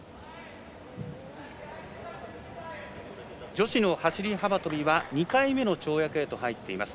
女子の走り幅跳びは２回目の跳躍へと入っています。